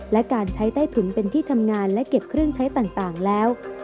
และการใช้ใต้ถุนเป็นที่ทำงานและเก็บเครื่องใช้ต่างแล้ว